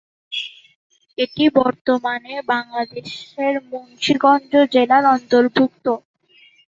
এটি বর্তমানে বাংলাদেশের মুন্সীগঞ্জ জেলার অন্তর্ভুক্ত।